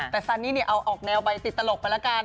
แต่สันนี้เนี่ยเอาออกแนวไปติดตลกไปละกัน